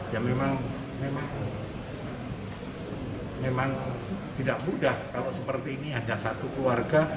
ya memang tidak mudah kalau seperti ini ada satu keluarga